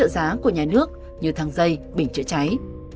giá của nhà nước như thang dây bình chữa cháy